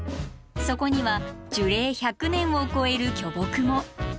そこには樹齢１００年を超える巨木も。